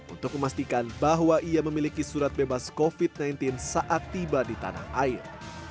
untuk memastikan bahwa ia memiliki surat bebas covid sembilan belas saat tiba di tanah air